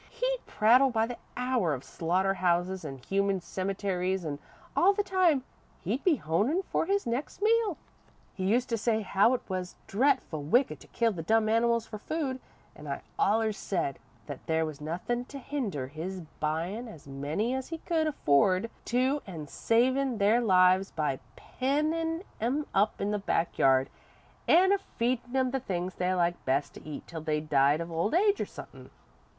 He'd prattle by the hour of slaughter houses an' human cemeteries an' all the time he'd be honin' for his next meal. "He used to say as how it was dretful wicked to kill the dumb animals for food, an' I allers said that there was nothin' to hinder his buyin' as many as he could afford to an' savin' their lives by pennin' 'em up in the back yard, an' a feedin' 'em the things they liked best to eat till they died of old age or sunthin'.